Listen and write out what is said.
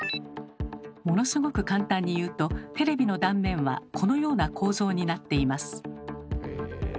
ものすごく簡単に言うとテレビの断面はこのような構造になっています。